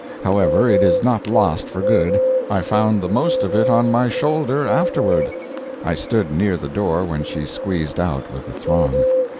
However, it is not lost for good. I found the most of it on my shoulder afterward. (I stood near the door when she squeezed out with the throng.)